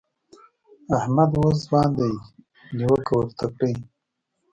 احمد اوس ځوان دی؛ نيوکه ورته کړئ.